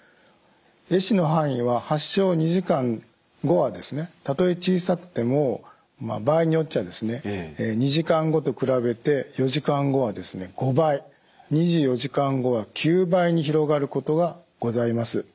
え死の範囲は発症２時間後はたとえ小さくても場合によっては２時間後と比べて４時間後は５倍２４時間後は９倍に広がることがございます。